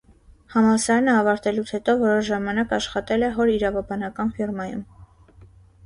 Համալսարանը ավարտելուց հետո որոշ ժամանակ աշխատել է հոր իրավաբանական ֆիրմայում։